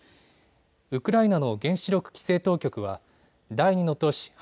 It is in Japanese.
ウクライナの原子力規制当局は第２の都市